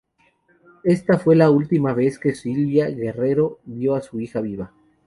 Ésta fue la última vez que Sylvia Guerrero vio a su hija viva.